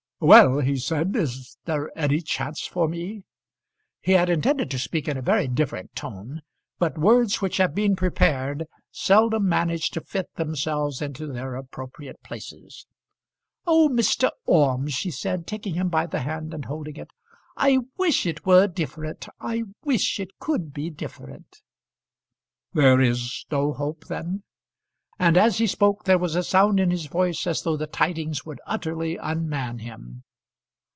"Well," he said; "is there any chance for me?" He had intended to speak in a very different tone, but words which have been prepared seldom manage to fit themselves into their appropriate places. "Oh, Mr. Orme," she said, taking him by the hand, and holding it. "I wish it were different; I wish it could be different." "There is no hope then?" And as he spoke there was a sound in his voice as though the tidings would utterly unman him.